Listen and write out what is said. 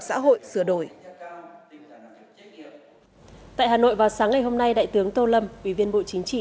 xã hội sửa đổi tại hà nội vào sáng ngày hôm nay đại tướng tô lâm ủy viên bộ chính trị